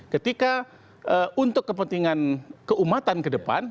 ketika untuk kepentingan keumatan ke depan